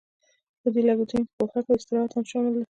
په دې لګښتونو کې پوښاک او استراحت هم شامل دي